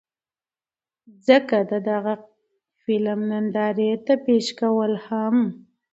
ځکه د دغه فلم نندارې ته پېش کول هم